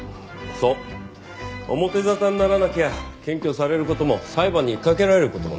そう表沙汰にならなきゃ検挙される事も裁判にかけられる事もない。